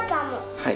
はい。